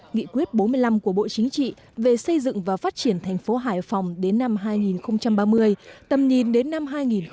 nghị quyết bốn mươi năm của bộ chính trị về xây dựng và phát triển thành phố hải phòng đến năm hai nghìn ba mươi tầm nhìn đến năm hai nghìn bốn mươi năm